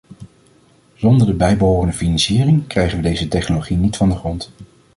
Zonder de bijbehorende financiering krijgen we deze technologie niet van de grond.